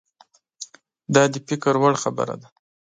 دا د فکر وړ خبره ده.